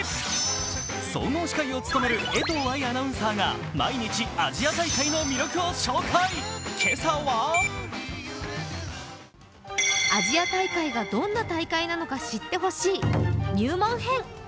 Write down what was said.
総合司会を務める江藤愛アナウンサーが毎日、アジア大会の魅力を紹介、今朝はアジア大会なのかどんな大会なのか知ってほしい入門編。